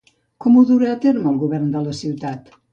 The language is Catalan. Com ho durà a terme el govern de la ciutat?